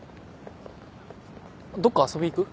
どっか遊び行く？